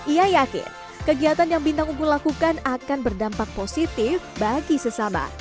ia yakin kegiatan yang bintang unggul lakukan akan berdampak positif bagi sesama